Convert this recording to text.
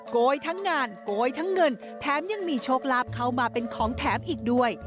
โกยทั้งงานโกยทั้งเงินแถมยังมีโชคลาภเข้ามาเป็นของแถมอีกด้วย